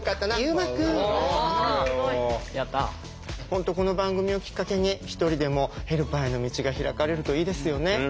本当この番組をきっかけに一人でもヘルパーへの道が開かれるといいですよね。